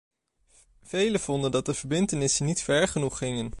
Velen vonden dat de verbintenissen niet ver genoeg gingen.